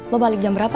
lo balik jam berapa